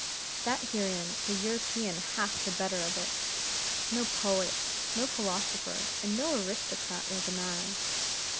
That herein the European hath the better of it, no poet, no philosopher, and no aristocrat will deny.